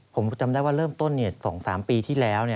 ผมจำได้ว่าเริ่มต้น๒๓ปีที่แล้ว